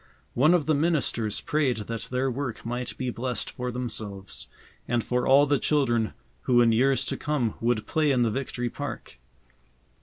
One of the ministers prayed that their work might be blessed for themselves, and for all the children who in years to come would play in the Victory Park.